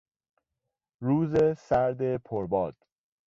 روز سرد پر باد